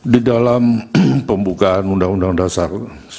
di dalam pembukaan undang undang dasar seribu sembilan ratus empat puluh